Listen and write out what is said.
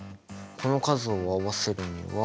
この数を合わせるには。